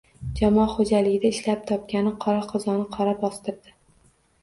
Jamoa xo‘jaligida ishlab topgani qora qozonni qora bostirdi